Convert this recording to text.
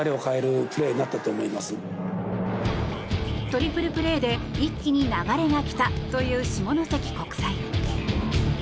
トリプルプレーで一気に流れがきたという下関国際。